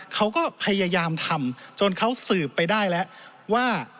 เขาก็พยายามทำจนเขาสืบไปได้แล้วว่า